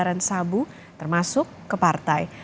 restoran sabu termasuk ke partai